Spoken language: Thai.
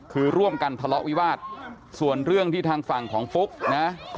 คือร่วมกันทะเลาะวิวาสส่วนเรื่องที่ทางฝั่งของฟุ๊กนะ